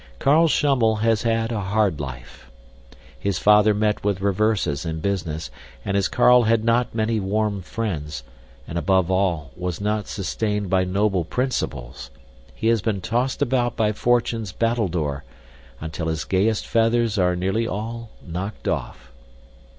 Carl Schummel has had a hard life. His father met with reverses in business, and as Carl had not many warm friends, and, above all, was not sustained by noble principles, he has been tossed about by fortune's battledore until his gayest feathers are nearly all knocked off.